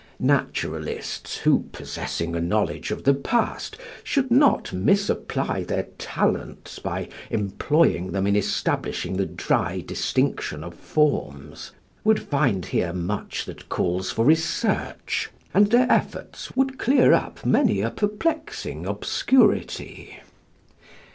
Naturalists who, possessing a knowledge of the past, should not misapply their talents by employing them in establishing the dry distinction of forms, would find here much that calls for research, and their efforts would clear up many a perplexing obscurity.